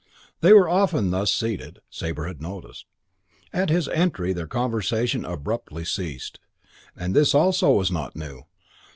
They were very often thus seated, Sabre had noticed. At his entry their conversation abruptly ceased; and this also was not new.